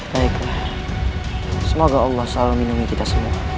baiklah semoga allah selalu minum kita semua